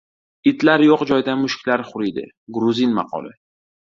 Itlar yo‘q joyda mushuklar huriydi. Gruzin maqoli